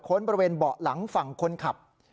บริเวณเบาะหลังฝั่งคนขับ